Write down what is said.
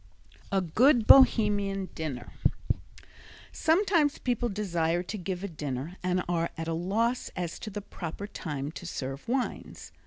A Good Bohemian Dinner Sometimes people desire to give a dinner and are at loss as to the proper time to serve wines.